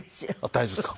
大丈夫ですか？